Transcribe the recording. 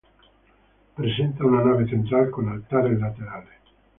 Presenta una nave central con altares laterales.